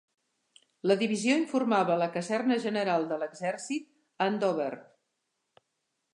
La divisió informava a la Caserna General de l'Exèrcit a Andover.